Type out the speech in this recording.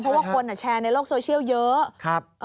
เพราะว่าคนแชร์ในโลกโซเชียลเยอะ